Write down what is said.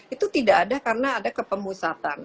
itu tidak ada karena ada kepemusatan